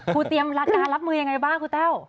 ครูเตรียมการรับมือยังไงบ้างครูเต้า